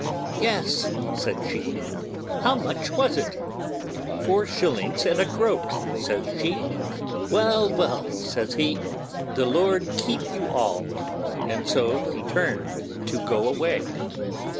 'Yes,' said she. 'How much was it?' said he. 'Four shillings and a groat,' said she. 'Well, well,' says he, 'the Lord keep you all'; and so he turned to go away.